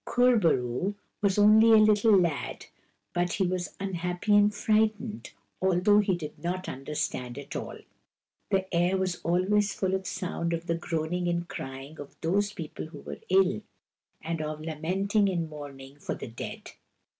Kur bo roo was only a little lad, but he was un happy and frightened, although he did not under stand at all. The air was always full of the sound of the groaning and crying of those people who were ill, and of lamenting and mourning for the dead.